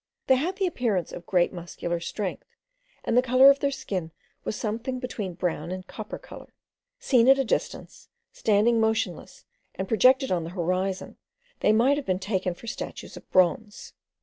They had the appearance of great muscular strength, and the colour of their skin was something between brown and copper colour. Seen at a distance, standing motionless, and projected on the horizon, they might have been taken for statues of bronze.